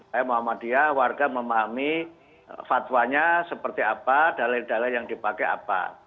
saya muhammadiyah warga memahami fatwanya seperti apa dalil dalil yang dipakai apa